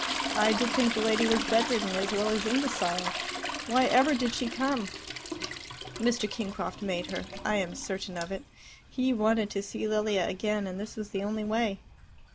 I did think the lady was bedridden as well as imbecile. Why ever did she come?" "Mr. Kingcroft made her. I am certain of it. He wanted to see Lilia again, and this was the only way."